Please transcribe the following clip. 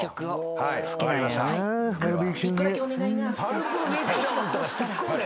１個だけお願いがあって。